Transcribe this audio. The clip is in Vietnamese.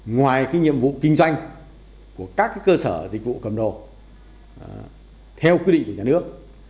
ngoài nhiệm vụ kinh doanh của các cơ sở dịch vụ cầm đồ theo quy định của nhà nước